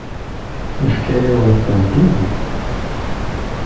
Yefka-yawen-tent-id.